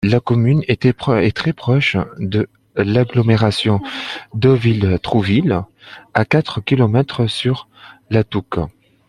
La commune est très proche de l'agglomération Deauville-Trouville, à quatre kilomètres, sur la Touques.